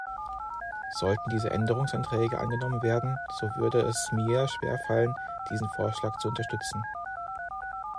Sollten diese Änderungsanträge angenommen werden, so würde es mir schwerfallen, diesen Vorschlag zu unterstützen.